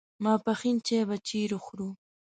ماپښین چای به چیرې خورو.